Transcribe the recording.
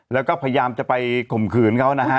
แล้วก็พยายามจะไปข่มขืนเขานะฮะ